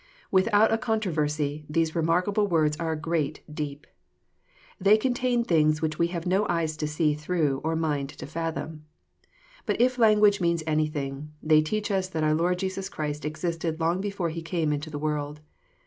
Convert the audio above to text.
Without a controversy, these remarkable words are a great deep. They contain things which we have no eyes to see through, or mind to fathom. But if language means anything, they teach us that our Lord Jesus Christ existed long before He came into the world.